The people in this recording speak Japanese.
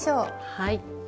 はい。